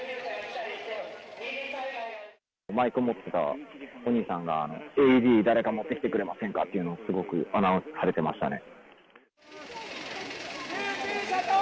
マイク持ってたお兄さんが、ＡＥＤ、誰か持ってきてくれませんかというのを、すごくアナウンスされてましたね。